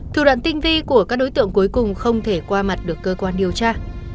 thủ đoạn tinh vi của các đối tượng cuối cùng không thể qua mặt được cơ quan điều tra